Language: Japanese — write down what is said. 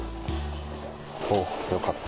おぉよかった